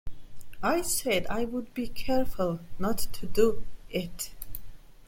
I said I would be careful not to do it.